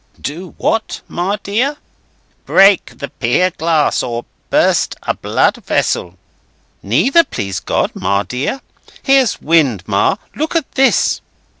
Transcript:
"Do what, Ma dear?" "Break the pier glass, or burst a blood vessel." "Neither, please God, Ma dear. Here's wind, Ma. Look at this!"